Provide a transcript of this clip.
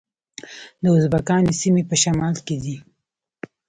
د ازبکانو سیمې په شمال کې دي